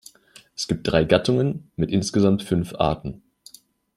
Es gibt drei Gattungen mit insgesamt fünf Arten.